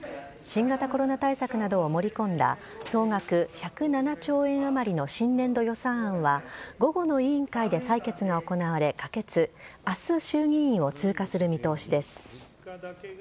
新型コロナ対策などを盛り込んだ総額１０７兆円余りの新年度予算案は午後の委員会で採決が行われ可決、あす、衆議院を通過する見通しです。